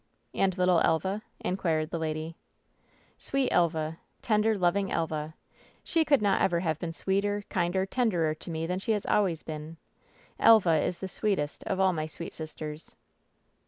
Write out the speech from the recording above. "And little Elva ?" inquired the lady. "Sweet Elva ! Tender, loving Elva ! She could not ever have been sweeter, kinder, tenderer to me than she has always been. Elva is the sweetest of all my sweet sisters."